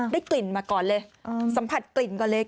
ได้กลิ่นมาก่อนเลยสัมผัสกลิ่นก่อนเลย